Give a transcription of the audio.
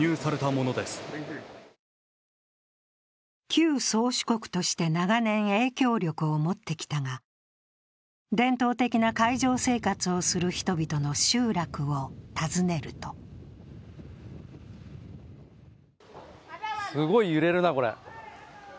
旧宗主国として長年影響力を持ってきたが伝統的な海上生活をする人々の集落を訪ねるとすごい揺れるな、これ。